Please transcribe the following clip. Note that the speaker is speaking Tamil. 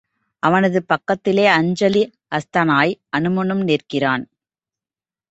அவனது பக்கத்திலே அஞ்சலி ஹஸ்தனாய் அனுமனும் நிற்கிறான்.